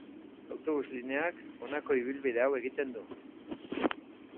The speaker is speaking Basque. Autobus lineak honako ibilbide hau egiten du.